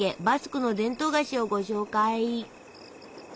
バスクの伝統菓子をご紹介。